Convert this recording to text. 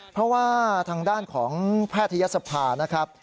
เพราะว่าทางด้านของแพทยศภานะครับ